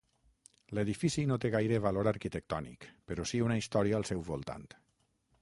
L'edifici no té gaire valor arquitectònic, però sí una història al seu voltant.